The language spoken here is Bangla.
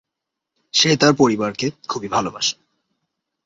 সে তার পরিবারকে খুবই ভালোবাসে।